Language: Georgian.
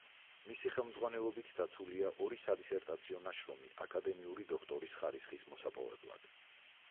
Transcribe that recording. მისი ხელმძღვანელობით დაცულია ორი სადისერტაციო ნაშრომი აკადემიური დოქტორის ხარისხის მოსაპოვებლად.